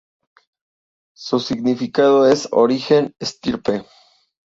Su significado es "origen, estirpe".